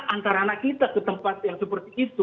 antara anak kita ke tempat yang seperti itu